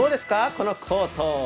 このコート。